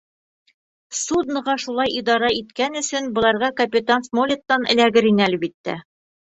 Судноға шулай идара иткән өсөн быларға капитан Смолеттан эләгер ине, әлбиттә.